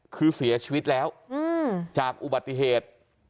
คือเสียชีวิตแล้วจากอุบัติเหตุ